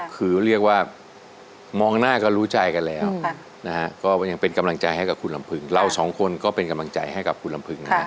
คือเรียกว่ามองหน้ากันรู้ใจกันแล้วก็ยังเป็นกำลังใจให้กับคุณลำพึงเราสองคนก็เป็นกำลังใจให้กับคุณลำพึงนะ